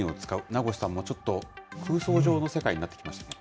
名越さんもちょっと、空想上の世界になってきましたね。